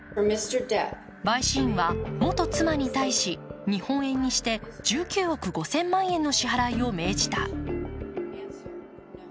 陪審員は元妻に対し、日本円にして１９億５０００万円の支払いを命じた。